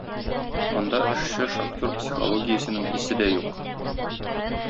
Анда эшче шахтер психологиясенең исе дә юк.